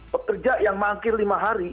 pekerja yang mangkir lima hari